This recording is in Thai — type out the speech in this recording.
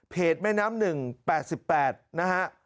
เพจแม่น้ำหนึ่ง๘๘นะฮะ